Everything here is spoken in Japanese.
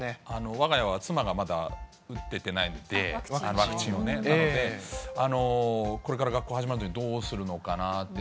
わが家は妻がまだ打ててないので、ワクチンをね、なのでこれから学校始まるので、どうするのかなって。